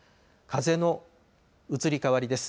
風の移り変わりです。